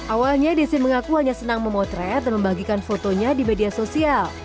awalnya desi mengaku hanya senang memotret dan membagikan fotonya di media sosial